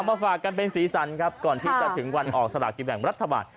มาฝากกันเป็นสีสันครับก่อนที่จะถึงวันออกสลากินแบ่งรัฐบาล